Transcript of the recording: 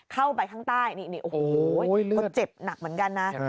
เข้าไปข้างใต้นี่โอ้โหเขาเจ็บหนักเหมือนกันนะ